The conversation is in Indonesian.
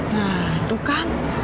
nah itu kan